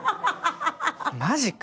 マジか。